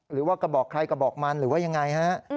หรือว่ากระบอกใครกระบอกมันหรือว่ายังไงฮะ